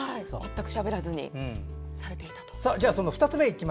全くしゃべらずにされていたと。